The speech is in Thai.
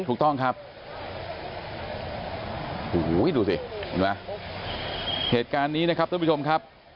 ถูกต้องครับอุ้ยดูสิเหตุการณ์นี้นะครับทุกผู้ชมครับ